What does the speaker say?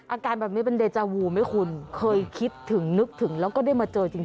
อาการแบบนี้เป็นเดจาวูไหมคุณเคยคิดถึงนึกถึงแล้วก็ได้มาเจอจริง